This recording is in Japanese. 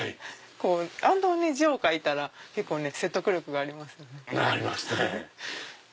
あんどんに字を書いたら結構説得力がありますよね。ありますね。